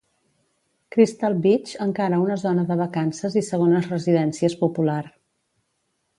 Crystal Beach encara una zona de vacances i segones residències popular.